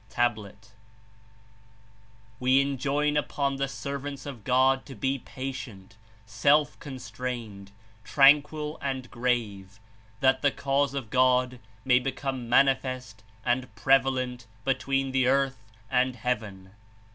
(Tablet) "We enjoin upon the servants of God to be patient, self constrained, tranquil and grave, that the Cause of God may become manifest and prevalent between the earth and heaven.